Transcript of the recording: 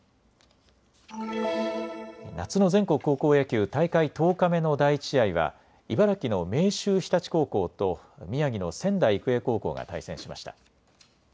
夏の全国高校野球、大会１０日目の第１試合は茨城の明秀日立高校と宮城の仙台育英高校が対戦しました。